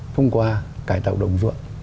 thông qua cải tạo đồng ruộng